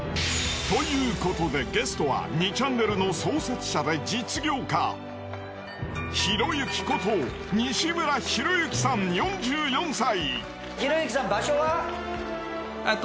ということでゲストは２ちゃんねるの創設者で実業家ひろゆきこと西村博之さん４４歳。